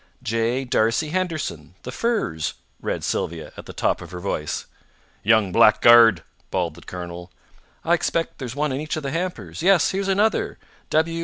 "J. D'Arcy Henderson, The Firs," read Sylvia, at the top of her voice. "Young blackguard!" bawled the colonel. "I expect there's one in each of the hampers. Yes; here's another.